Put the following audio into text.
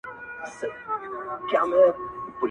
د مخه تر دې چي موږ سلام ورته وکړو.